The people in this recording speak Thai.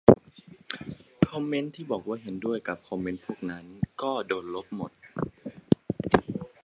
คอมเมนต์ที่บอกว่าเห็นด้วยกับคอนเมนต์พวกนั้น ก็โดนลบหมด